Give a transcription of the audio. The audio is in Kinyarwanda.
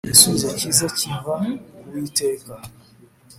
Igisubizo cyiza kiva ku uwiteka